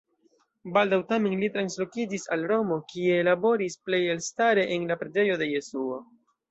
Baldaŭ tamen li translokiĝis al Romo, kie laboris, plej elstare en la preĝejo de Jesuo.